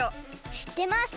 しってます！